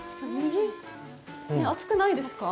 熱くないですか？